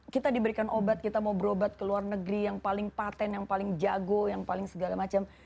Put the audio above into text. kita diberikan obat kita mau berobat ke luar negeri yang paling patent yang paling jago yang paling segala macam